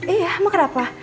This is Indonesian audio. iya emang kenapa